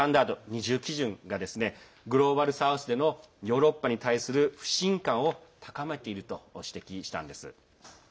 二重基準がグローバル・サウスでのヨーロッパに対する不信感を高めていると指摘したんです。